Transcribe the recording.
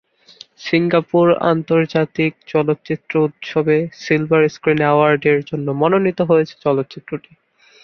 Singapore আন্তর্জাতিক চলচ্চিত্র উৎসবে "সিলভার স্ক্রিন অ্যাওয়ার্ডের" জন্য মনোনীত হয়েছে চলচ্চিত্রটি।